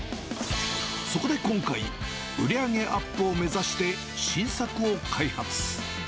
そこで今回、売り上げアップを目指して、新作を開発。